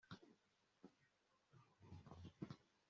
nanjye sinzi pe jack arongera ati